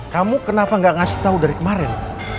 kamu kenapa gak ngasih tahu dari kemarin